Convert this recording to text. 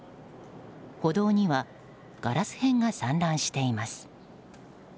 歩道にはガラス片が散乱しています。